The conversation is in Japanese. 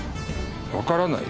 わからない？